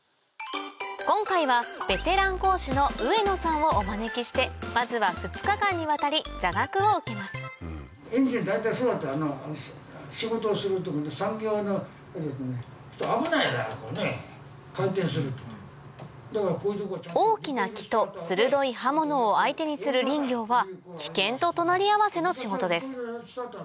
今回はベテラン講師の上野さんをお招きしてまずは２日間にわたり座学を受けます大きな木と鋭い刃物を相手にする林業は危険と隣り合わせの仕事です